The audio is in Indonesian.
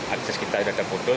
akses kita sudah terputus